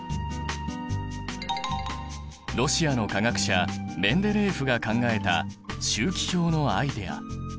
ロシアの化学者メンデレーエフが考えた周期表のアイデア。